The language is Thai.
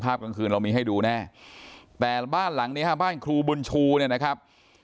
กลางคืนเรามีให้ดูแน่แต่บ้านหลังนี้ฮะบ้านครูบุญชูเนี่ยนะครับ